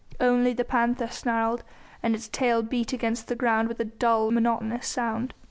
Only the panther snarled, and its tail beat against the ground with a dull, monotonous sound.